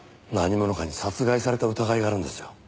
何者かに殺害された疑いがあるんですよ。